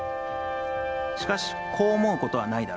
しかし、こう思うことはないだろうか。